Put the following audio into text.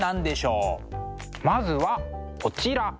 まずはこちら！